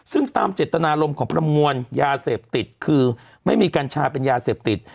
ซึ่งตามเจตนารมณ์ของประมวลยาเสพติดคือไม่มีกัญชาเป็นยาเสพติด